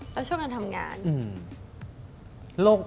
แล้วช่วยกันทำงาน